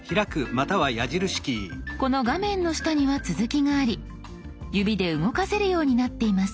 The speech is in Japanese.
この画面の下には続きがあり指で動かせるようになっています。